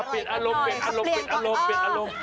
เปลี่ยนอารมณ์